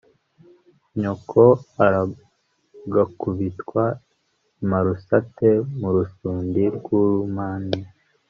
nyo ko ar agaku bit wa imarusate mu rusundi rw'urumane